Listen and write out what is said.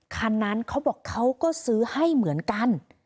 คันนั้นเขาบอกเขาก็ซื้อให้เหมือนกัน